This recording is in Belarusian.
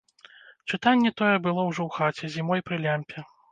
Чытанне тое было ўжо ў хаце, зімой, пры лямпе.